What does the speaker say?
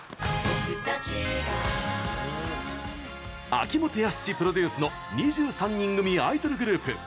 秋元康プロデュースの２３人組アイドルグループ